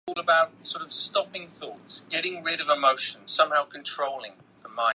本县为一禁酒的县。